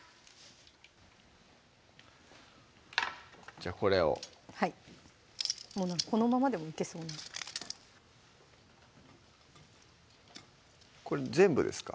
じゃあこれをはいこのままでもいけそうなこれ全部ですか？